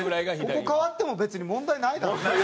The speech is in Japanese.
ここ替わっても別に問題ないだろ。